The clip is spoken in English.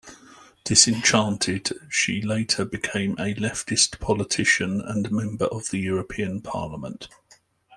Disenchanted, she later became a leftist politician and member of the European Parliament.